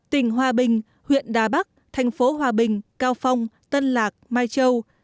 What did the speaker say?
tỉnh hòa bình huyện đà bắc thành phố hòa bình cao phong tân lạc mai châu